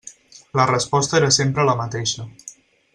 La resposta era sempre la mateixa.